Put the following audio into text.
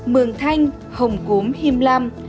mường thanh hồng cúm him lam